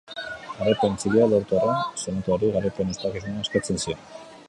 Garaipen txikiak lortu arren, Senatuari garaipen-ospakizuna eskatzen zion.